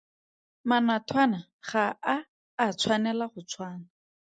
Manathwana ga a a tshwanela go tshwana.